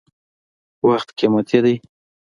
• وخت قیمتي دی.